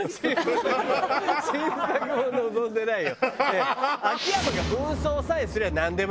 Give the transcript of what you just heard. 新作も望んでないよ。